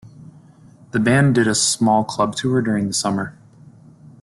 The band did a small club tour during the summer.